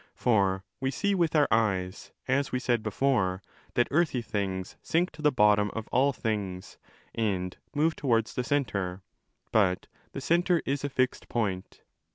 For we see with our eyes, as we said before,' that earthy things sink to the bottom of all things and move towards the centre. But the centre is a fixed point.